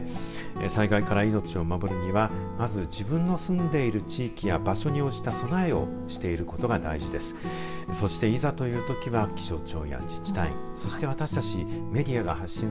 災害から命を守るにはまず自分の住んでいる地域や場所に応じた備えをしていることが大事です。